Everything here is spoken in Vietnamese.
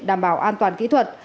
đảm bảo an toàn kỹ thuật